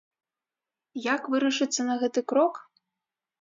Як вырашыцца на гэты крок?